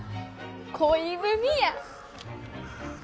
恋文や！